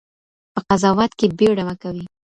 په قضاوت کې بېړه مه کوئ.